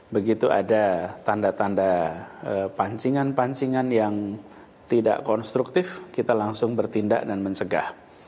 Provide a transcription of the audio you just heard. begitu ada tanda tanda pancingan pancingan yang tidak konstruktif kita langsung bertindak dan mencegah